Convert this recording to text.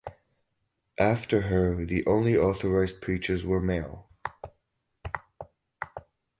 After her the only authorised preachers were male.